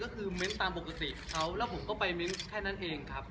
ก็คือเม้นต์ตามปกติเขาแล้วผมก็ไปเน้นแค่นั้นเองครับ